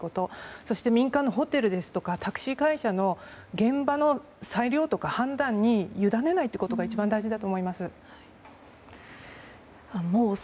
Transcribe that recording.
そして民間のホテルやタクシー会社など現場の裁量とか判断に委ねないということが一番大事だと思います。